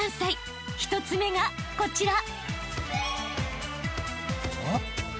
［１つ目がこちら］